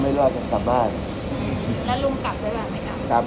แล้วลุงกลับได้บ้างไหมครับ